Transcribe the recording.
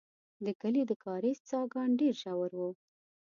د کلي د کاریز څاګان ډېر ژور وو.